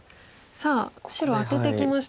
さあ白アテてきました。